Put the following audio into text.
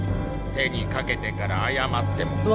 手にかけてから謝っても。